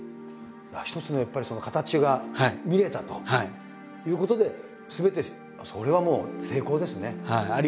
一つのやっぱり形が見れたということですべてそれはもう成功ですね。